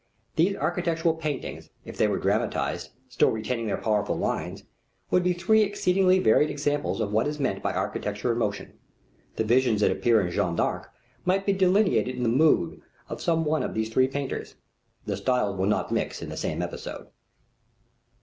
These architectural paintings if they were dramatized, still retaining their powerful lines, would be three exceedingly varied examples of what is meant by architecture in motion. The visions that appear to Jeanne d'Arc might be delineated in the mood of some one of these three painters. The styles will not mix in the same episode.